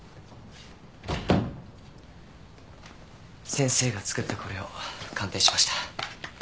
先生が作ったこれを鑑定しました。